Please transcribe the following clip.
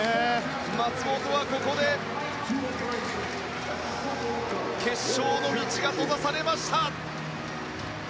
松元はここで決勝の道が閉ざされました。